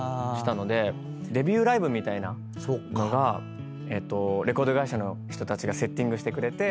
デビューライブみたいなのをレコード会社の人たちがセッティングしてくれて。